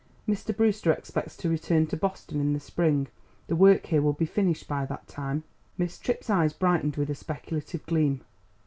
"Mr. Brewster expects to return to Boston in the spring. The work here will be finished by that time." Miss Tripp's eyes brightened with a speculative gleam.